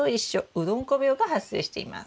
うどんこ病が発生しています。